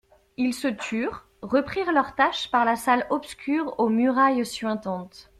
Ils se turent, reprirent leur tâche par la salle obscure aux murailles suintantes.